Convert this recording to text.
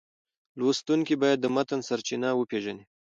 لوستونکی باید د متن سرچینه وپېژني.